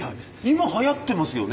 今はやってますよね